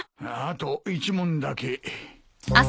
あと１問だけ。